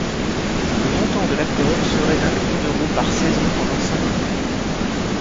Le montant de l'accord serait d'un million d'euros par saison pendant cinq ans.